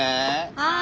はい。